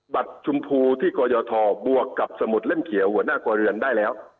ชมพูที่กรยทบวกกับสมุดเล่มเขียวหัวหน้าครัวเรือนได้แล้ว